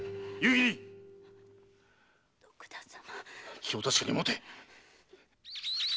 気を確かに持て！